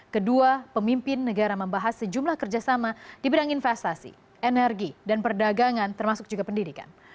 kedua pemimpin negara membahas sejumlah kerjasama di bidang investasi energi dan perdagangan termasuk juga pendidikan